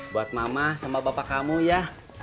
buat mama sama bapak kamu ya